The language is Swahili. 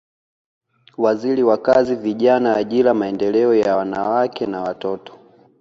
Waziri wa Kazi Vijana Ajira Maendeleo ya Wanawake na Watoto